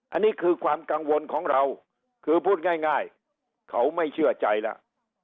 อันนี้คือความกังวลของเราคือพูดง่ายเขาไม่เชื่อใจแล้ว